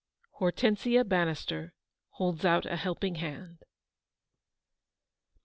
HORTENSIA BANNISTER HOLDS OUT A HELPING HAND.